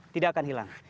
tidak akan hilang